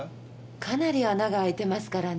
かなり穴が開いてますからね。